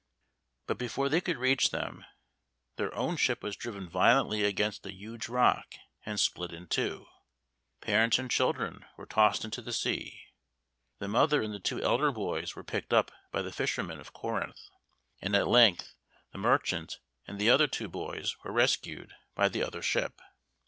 But before they could reach them, their own ship was driven violently against a huge rock and split in two. Parents and children were tossed into the sea; the mother and the two elder boys were picked up by the fishermen of Corinth, and at length the merchant and the other boys were rescued by the other ship.